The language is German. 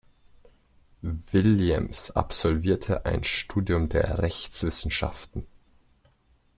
Williams absolvierte ein Studium der Rechtswissenschaften.